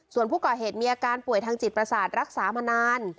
ส่วนผู้ก่อเหตุมีอาการป่วยทางจิตประสาทรักษามานาน